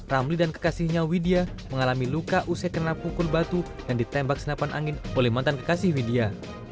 ramli dan kekasihnya widya mengalami luka usai kena pukul batu yang ditembak senapan angin oleh mantan kekasih widya